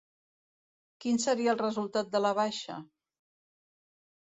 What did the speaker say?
Quin seria el resultat de la baixa?